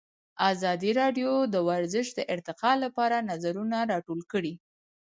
ازادي راډیو د ورزش د ارتقا لپاره نظرونه راټول کړي.